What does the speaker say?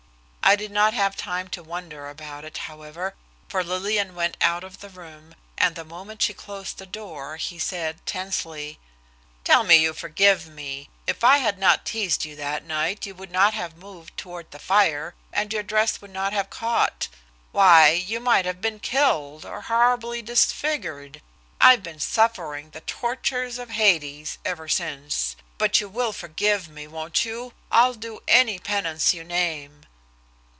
I did not have time to wonder about it, however, for Lillian went out of the room, and the moment she closed the door he said tensely: "Tell me you forgive me. If I had not teased you that night you would not have moved toward the fire, and your dress would not have caught. Why! you might have been killed or horribly disfigured. I've been suffering the tortures of Hades ever since. But you will forgive me, won't you? I'll do any penance you name."